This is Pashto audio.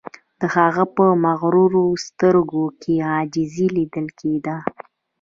د هغه په مغرورو سترګو کې عاجزی لیدل کیده